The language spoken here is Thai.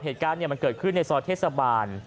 เหตุการณ์มันเกิดขึ้นในซอยเทศบาล